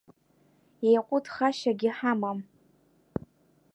Еиҟәыҭхашьагьы ҳамам!